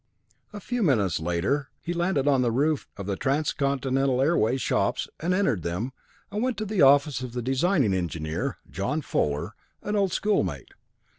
A few minutes later he landed on the roof of the Transcontinental Airways shops, entered them, and went to the office of the Designing Engineer, John Fuller, an old schoolmate.